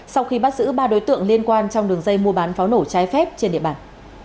sau khi bắt giữ ba đối tượng liên quan trong đường dây mua bán pháo nổ trái phép trên địa bàn